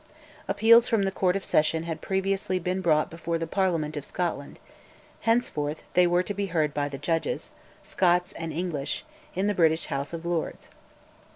Appeals from the Court of Session had previously been brought before the Parliament of Scotland; henceforth they were to be heard by the Judges, Scots and English, in the British House of Lords.